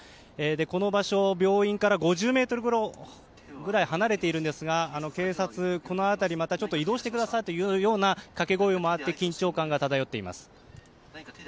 この場所、病院から５０ｍぐらい離れているんですが警察から、この辺り移動してくださいというような掛け声もあって緊張感が漂っています。